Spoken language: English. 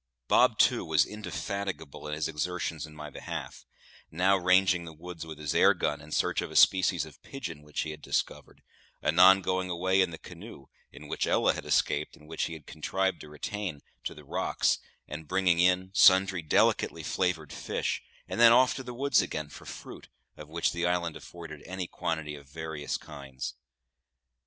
Bob, too, was indefatigable in his exertions in my behalf; now ranging the woods with his airgun, in search of a species of pigeon which he had discovered; anon going away in the canoe (in which Ella had escaped, and which he had contrived to retain) to the rocks, and bringing in sundry delicately flavoured fish; and then off to the woods again for fruit, of which the island afforded any quantity of various kinds.